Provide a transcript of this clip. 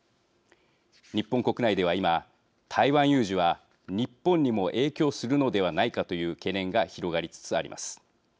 日本国内では今台湾有事は日本にも影響するのではないかという懸念が広がりつつあります。